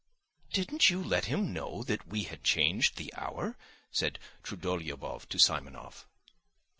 "Didn't you let him know that we had changed the hour?" said Trudolyubov to Simonov.